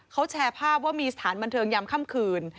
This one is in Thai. เขาแชร์ภาพว่ามีสถานบันเทิงยามค่ำคืน